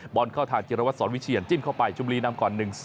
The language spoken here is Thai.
บอลเข้าทางจิรวัตรสอนวิเชียนจิ้มเข้าไปชมบุรีนำก่อน๑๐